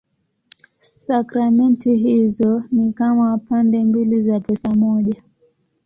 Sakramenti hizo ni kama pande mbili za pesa moja.